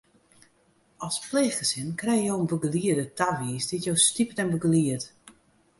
As pleechgesin krije jo in begelieder tawiisd dy't jo stipet en begeliedt.